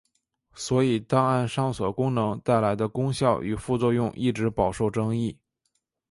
所以档案上锁功能带来的功效与副作用一直饱受争议。